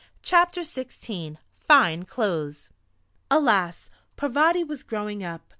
CHAPTER XVI FINE CLOTHES Alas! Parvati was growing up.